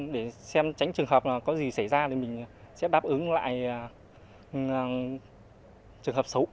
để xem tránh trường hợp có gì xảy ra thì mình sẽ đáp ứng lại trường hợp xấu